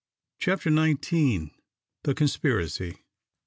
CHAPTER NINETEEN. THE CONSPIRACY.